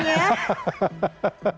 langsung enak badan rasanya